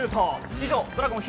以上、ドラゴン弘